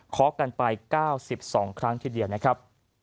กันไป๙๒ครั้งทีเดียวนะครับ